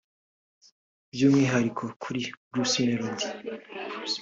By’umwihariko kuri Bruce Melody